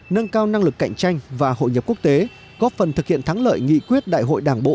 nâng cao năng lực cạnh tranh và hội nhập quốc tế góp phần thực hiện thắng lợi nghị quyết đại hội đảng bộ